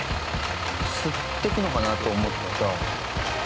吸っていくのかなと思った。